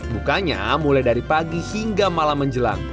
bukanya mulai dari pagi hingga malam menjelang